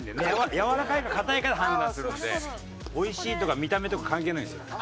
やわらかいか硬いかで判断するのでおいしいとか見た目とか関係ないんですよ。